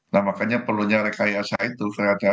nah makanya perlunya rekayasa itu karena ada